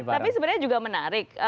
tapi sebenarnya juga menarik